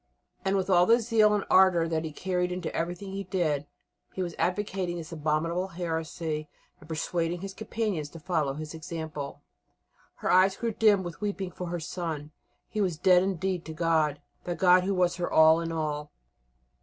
And with all the zeal and ardour that he carried into everything he did he was advocating this abominable heresy and persuading his companions to follow his example. Her eyes grew dim with weeping for her son. He was dead indeed to God that God who was her All in All.